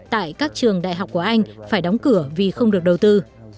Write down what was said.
tại các trường đại học của anh phải đóng cửa vì không được đầu tư